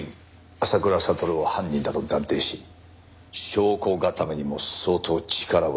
浅倉悟を犯人だと断定し証拠固めにも相当力を注いでいたからな。